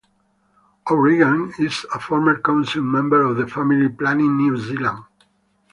O'Regan is a former council member of Family Planning New Zealand.